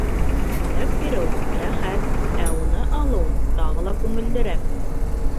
Бүләк биреү рәхәт, ә уны алыу тағы ла күңеллерәк.